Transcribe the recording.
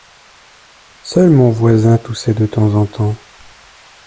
Seul mon voisin toussait de temps en temps.